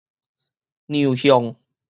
糧餉